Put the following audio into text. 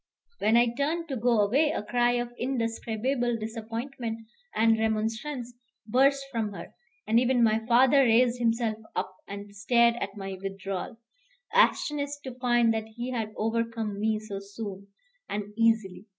When I turned to go away, a cry of indescribable disappointment and remonstrance burst from her, and even my father raised himself up and stared at my withdrawal, astonished to find that he had overcome me so soon and easily.